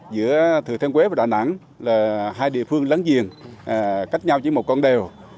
giữa thừa thiên huế và đà nẵng là hai địa phương láng giềng cách nhau chỉ một con đều